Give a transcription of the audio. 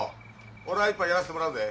俺は一杯やらせてもらうぜ。